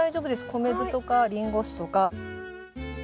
米酢とかリンゴ酢とか。